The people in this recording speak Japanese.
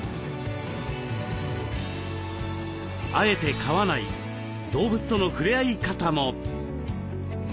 あえて飼わない動物とのふれあい方も。